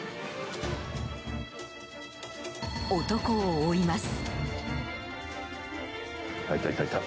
男を追います。